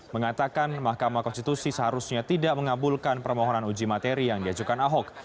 mengatakan mahkamah konstitusi seharusnya tidak mengabulkan permohonan uji materi yang diajukan ahok